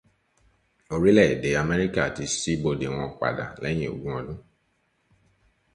Orílẹ̀èdè Amẹ́ríkà ti ṣí bodè wọn padà lẹyìn ogún ọdún